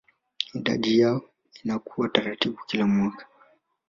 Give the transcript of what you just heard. Idadi yao inakuwa taratibu kila mwaka